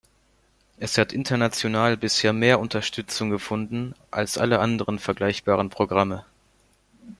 Es hat international bisher mehr Unterstützung gefunden als alle anderen vergleichbaren Programme.